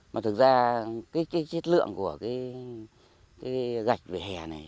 mà thực ra cái chất lượng của cái gạch về hè này